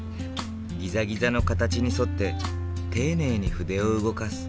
ギザギザの形に添って丁寧に筆を動かす。